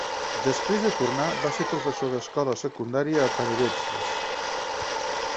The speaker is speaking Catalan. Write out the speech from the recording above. Després de tornar, va ser professor d'escola secundària a Panevėžys.